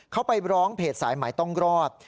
เขาไปร้องเพจสายหมายต้องรอด